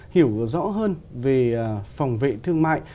hiểu rõ hơn về phòng vệ thương mại